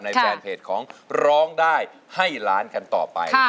แฟนเพจของร้องได้ให้ล้านกันต่อไป